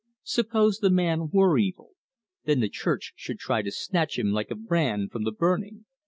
Suppose the man were evil, then the Church should try to snatch him like a brand from the burning.